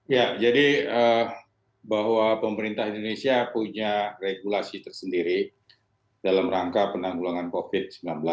ya jadi bahwa pemerintah indonesia punya regulasi tersendiri dalam rangka penanggulangan covid sembilan belas